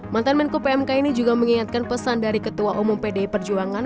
mantan menko pmk ini juga mengingatkan pesan dari ketua umum pdi perjuangan